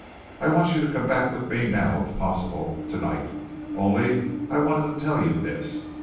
I want you to come back with me now, if possible, tonight, only I wanted to tell you this.